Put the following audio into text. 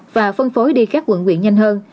và phân phối đi các quận nguyện nhanh hơn